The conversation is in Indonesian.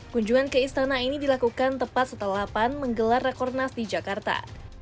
kunjungan ke istana ini dilakukan tepat setelah pan menggelar rakornas di jakarta